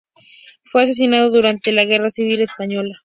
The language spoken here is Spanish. Fue asesinado durante la guerra civil española.